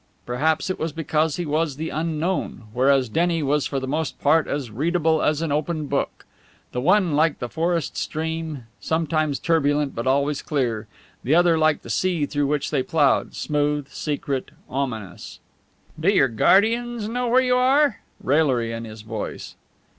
Perhaps it was because he was the unknown, whereas Denny was for the most part as readable as an open book. The one like the forest stream, sometimes turbulent but always clear; the other like the sea through which they plowed, smooth, secret, ominous. "Do your guardians know where you are?" raillery in his voice.